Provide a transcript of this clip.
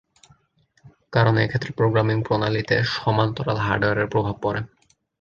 কারণ এক্ষেত্রে প্রোগ্রামিং প্রণালীতে সমান্তরাল হার্ডওয়্যারের প্রভাব পড়ে।